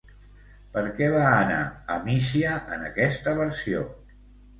Per què va anar a Mísia en aquesta versió?